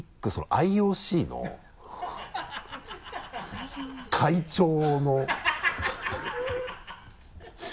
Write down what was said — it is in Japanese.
ＩＯＣ？ 会長の